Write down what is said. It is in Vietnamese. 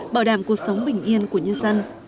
bảo đảm cuộc sống bình yên của nhân dân